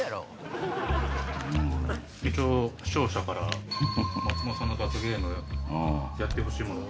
視聴者から松本さんの罰ゲームやってほしいもの